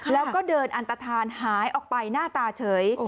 แล้วก็เดินอันตฐานหายออกไปหน้าตาเฉย